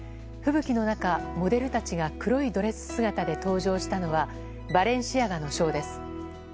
吹雪の中、モデルたちが黒いドレス姿で登場したのはバレンシアガのショーです。